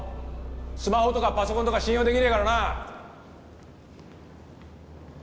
スマホとかパソコンとか信用できねえからな！